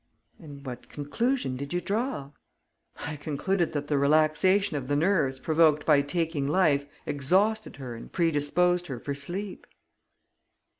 "And what conclusion did you draw?" "I concluded that the relaxation of the nerves provoked by taking life exhausted her and predisposed her for sleep."